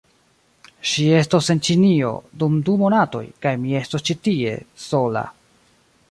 ... ŝi estos en Ĉinio, dum du monatoj, kaj mi estos ĉi tie, sola.